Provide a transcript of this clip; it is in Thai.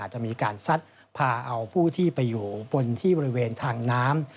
จะมีการซัดพาเอาผู้ที่ไปอยู่บนที่บริเวณทางน้ำ